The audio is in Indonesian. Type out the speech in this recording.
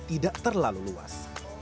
tidak terlalu luas